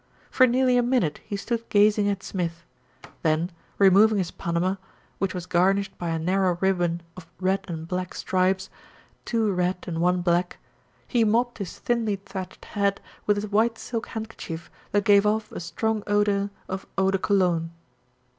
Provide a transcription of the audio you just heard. For nearly a minute he stood gazing at Smith, then, re 178 THE RETURN OF ALFRED moving his Panama, which was garnished by a narrow ribbon of red and black stripes, two red and one black, he mopped his thinly thatched head with a white silk handkerchief that gave off a strong odour of eau de cologne.